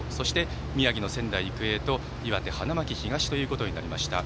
宮城の仙台育英と岩手の花巻東となりました。